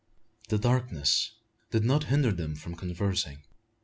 The darkness did not hinder them from conversing.